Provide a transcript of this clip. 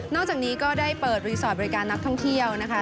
จากนี้ก็ได้เปิดรีสอร์ทบริการนักท่องเที่ยวนะคะ